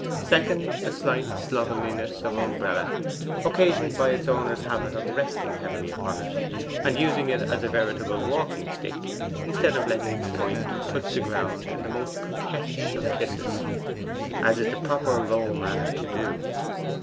Second, a slight slovenliness of umbrella, occasioned by its owner's habit of resting heavily upon it, and using it as a veritable walking stick, instead of letting its point touch the ground in the most coquettish of kisses, as is the proper Row manner to do.